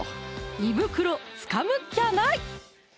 胃袋つかむっきゃない！